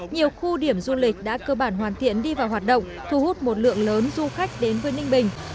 nhiều khu điểm du lịch đã cơ bản hoàn thiện đi vào hoạt động thu hút một lượng lớn du khách đến với ninh bình